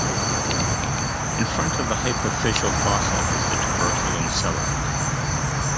In front of the hypophyseal fossa is the tuberculum sellae.